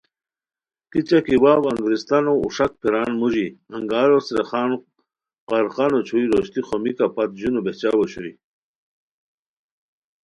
کیچہ کی واؤ انگریستانو اوݰاک پھیران موژی انگارو څریخان قارقانو چھوئے روشتی خومیکہ پت ژونو بہچاؤ اوشوئے